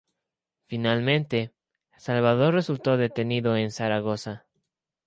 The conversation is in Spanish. Finalmente, Salvador resultó detenido en Zaragoza.